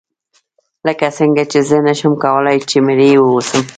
لکه څنګه چې زه نشم کولای چې مریی واوسم.